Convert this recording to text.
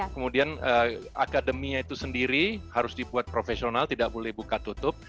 kemudian akademinya itu sendiri harus dibuat profesional tidak boleh buka tutup